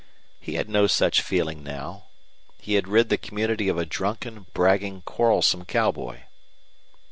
He had no such feeling now. He had rid the community of a drunken, bragging, quarrelsome cowboy.